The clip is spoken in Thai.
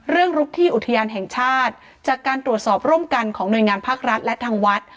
ลุกที่อุทยานแห่งชาติจากการตรวจสอบร่วมกันของหน่วยงานภาครัฐและทางวัด